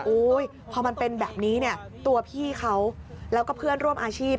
พอมันเป็นแบบนี้เนี่ยตัวพี่เขาแล้วก็เพื่อนร่วมอาชีพ